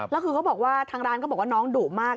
แล้วคือทางร้านก็บอกว่าน้องดุมาก